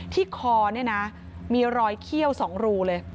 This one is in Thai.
คอเนี่ยนะมีรอยเขี้ยว๒รูเลย